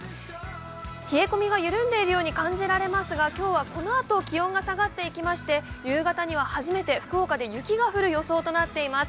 冷え込みが緩んでいるように感じられますが、今日はこのあと気温が下がっていきまして、夕方には初めて福岡で雪が降る予想となっています。